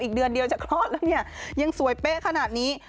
อีกเดือนเดียวจะคลอดแล้วเนี่ยยังสวยเป๊ะขนาดนี้